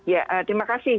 ya terima kasih